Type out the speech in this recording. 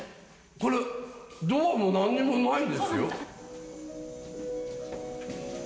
これドアも何にもないですよ。